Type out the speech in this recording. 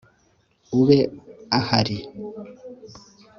ube ahari